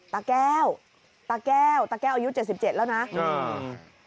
ตาแก้วตาแก้วตาแก้วอายุเจ็ดสิบเจ็ดแล้วนะอืม